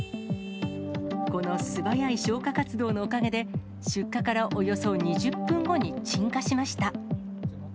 この素早い消火活動のおかげで、出火からおよそ２０分後に鎮火しました。